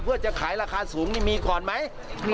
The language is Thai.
เพื่อจะขายราคาสูงนี่มีก่อนไหม